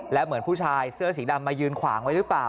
แล้วเหมือนผู้ชายเสื้อสีดำมายืนขวางไว้หรือเปล่า